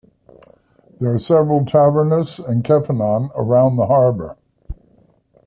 There are several Tavernas and Kafenons around the harbour.